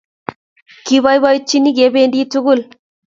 Kiboiboityinchi kependi tugul